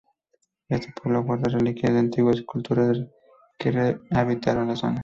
Este pueblo guarda reliquias de antiguas culturas que habitaron la zona.